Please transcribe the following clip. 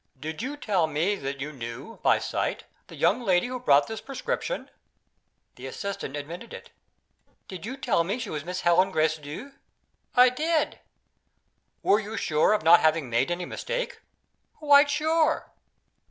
"Did you tell me that you knew, by sight, the young lady who brought this prescription?" The assistant admitted it. "Did you tell me she was Miss Helena Gracedieu?" "I did." "Are you sure of not having made any mistake?" "Quite sure."